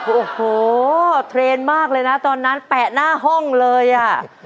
โอ้โหเทรนด์มากเลยนะตอนนั้นแปะหน้าห้องเลยอ่ะ